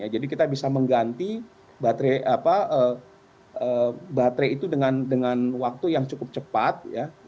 jadi kita bisa mengganti baterai itu dengan waktu yang cukup cepat